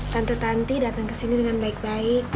tante tante datang ke sini dengan baik baik